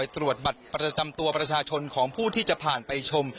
ตรวจบัตรประจำตัวประชาชนของผู้ที่จะผ่านไปชม